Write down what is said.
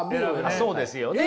そうですよね。